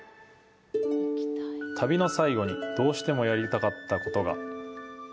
旅の最後にどうしてもやりたかったことが。